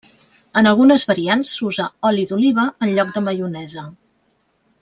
En algunes variants s'usa oli d'oliva en lloc de maionesa.